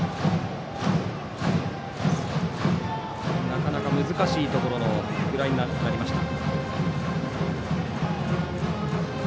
なかなか難しいところのフライになりました。